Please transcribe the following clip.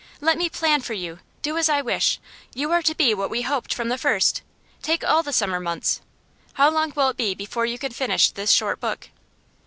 Let me plan for you; do as I wish. You are to be what we hoped from the first. Take all the summer months. How long will it be before you can finish this short book?